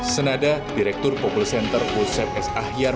senada direktur popul center usep s ahyar